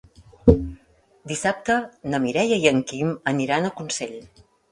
Dissabte na Mireia i en Quim aniran a Consell.